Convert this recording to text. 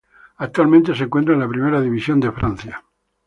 Actualmente se encuentra en la Primera División de Francia.